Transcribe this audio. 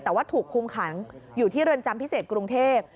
แต่ว่าถูกคุมขังอยู่ที่เรือนจำพิเศษกรุงเทพ